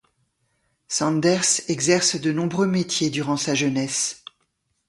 Sanders exerce de nombreux métiers durant sa jeunesse.